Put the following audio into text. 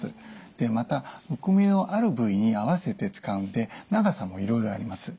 またむくみのある部位に合わせて使うので長さもいろいろあります。